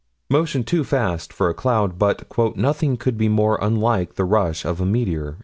Motion too fast for a cloud, but "nothing could be more unlike the rush of a meteor."